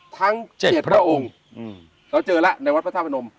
ทั้ง๗พระองค์เราเจอแล้วในวัดพระธาตุพนม